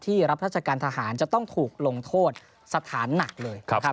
รับราชการทหารจะต้องถูกลงโทษสถานหนักเลย